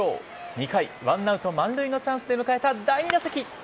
２回１アウト満塁のチャンスで迎えた第２打席。